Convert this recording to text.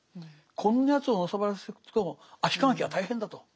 こんなやつをのさばらせておくと足利家は大変だと。